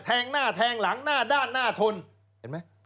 งหน้าแทงหลังหน้าด้านหน้าทนเห็นไหม